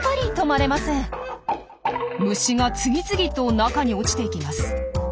虫が次々と中に落ちていきます。